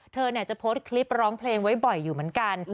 เธอจะโพสต์คลิปร้องเพลงไว้บ่อยอยู่เหมือนกัน